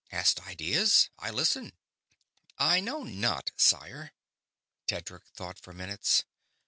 Hast ideas? I listen." "I know not, sire...." Tedric thought for minutes.